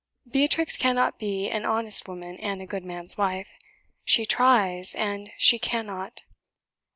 Beatrix cannot be an honest woman and a good man's wife. She 'tries, and she CANNOT.'